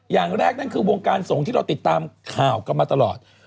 อย่างแรกนั่นคือวงการสงฆ์ที่เราติดตามข่าวกันมาตลอด